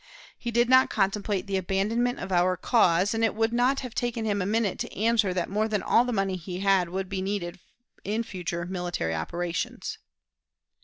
He did not contemplate the abandonment of our cause, and it would not have taken him a minute to answer that more than all the money he had would be needed in future military operations.